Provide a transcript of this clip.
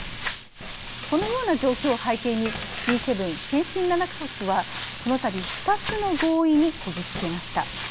このような状況を背景にＧ７・先進７か国はこのたび、２つの合意にこぎ着けました。